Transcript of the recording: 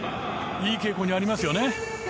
いい傾向にありますよね。